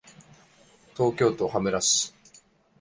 東京都羽村市